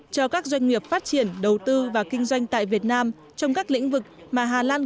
cho các doanh nghiệp phát triển đầu tư và kinh doanh tại việt nam trong các lĩnh vực mà hà lan